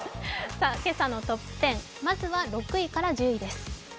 今朝のトップ１０、まずは６位から１０位です。